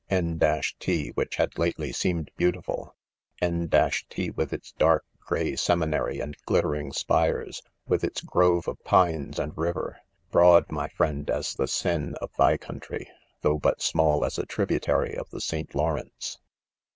<N 1, which had lately seemed bean° tiful, — N t, with its dark gray seminary and glittering spires,' ; with its grove of "pines and river, broad, my friend, as the Seine of thy country, though but small as a tributary of the St. Lawrence.